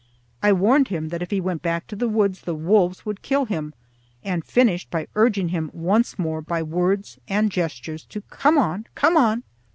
I warned him that if he went back to the woods the wolves would kill him, and finished by urging him once more by words and gestures to come on, come on.